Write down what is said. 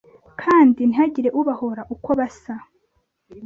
kandi ntihagire ubahora uko basa.